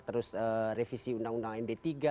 terus revisi undang undang md tiga